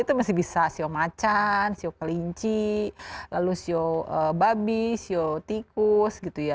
itu masih bisa ceo macan ceo kelinci lalu ceo babi ceo tikus gitu ya